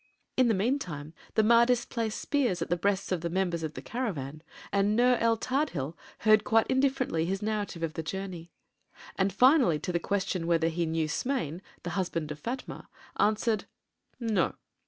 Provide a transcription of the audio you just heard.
In the meantime the Mahdists placed spears at the breasts of members of the caravan, and Nur el Tadhil heard quite indifferently his narrative of the journey, and finally to the question, whether he knew Smain, the husband of Fatma, answered: "No.